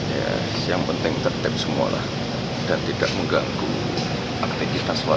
ya yang penting tertip semua lah dan tidak mengganggu aktivitas warga